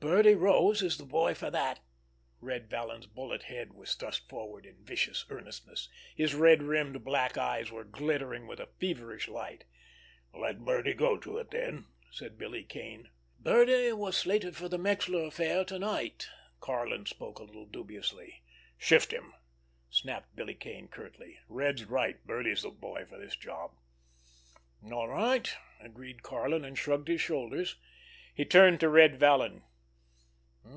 "Birdie Rose is the boy for that!" Red Vallon's bullet head was thrust forward in vicious earnestness, his red rimmed black eyes were glittering with a feverish light. "Let Birdie go to it, then!" said Billy Kane. "Birdie was slated for the Merxler affair to night." Karlin spoke a little dubiously. "Shift him!" snapped Billy Kane curtly. "Red's right! Birdie's the boy for this job." "All right!" agreed Karlin, and shrugged his shoulders. He turned to Red Vallon.